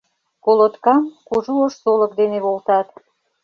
Колоткам кужу ош солык дене волтат.